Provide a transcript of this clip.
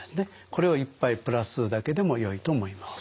これを１杯プラスするだけでもよいと思います。